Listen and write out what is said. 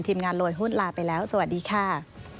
ทีมงานโรยหุ้นลาไปแล้วสวัสดีค่ะ